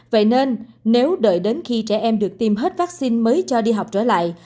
vậy nên nếu đợi đến khi trẻ em được tiêm hết vaccine mới cho đi học trở lại